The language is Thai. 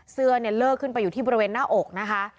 เสื้อเนี่ยเลิกขึ้นไปอยู่ที่บริเวณหน้าอกนะคะ